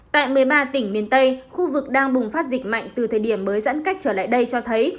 tại một mươi ba tỉnh miền tây khu vực đang bùng phát dịch mạnh từ thời điểm mới giãn cách trở lại đây cho thấy